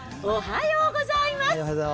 おはようございます。